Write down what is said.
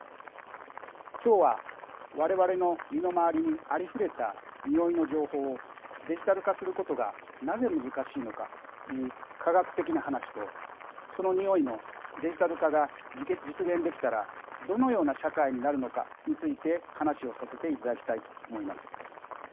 今日は我々の身の回りにありふれたにおいの情報をデジタル化することがなぜ難しいのかという科学的な話とそのにおいのデジタル化が実現できたらどのような社会になるのかについて話をさせていただきたいと思います。